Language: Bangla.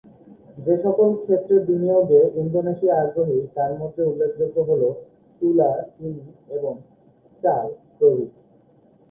যেসকল ক্ষেত্রে বিনিয়োগে ইন্দোনেশিয়া আগ্রহী তার মধ্যে উল্লেখযোগ্য হল তুলা, চিনি এবং চাল প্রভৃতি।